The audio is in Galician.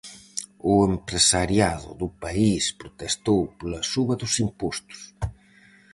O empresariado do país protestou pola suba dos impostos.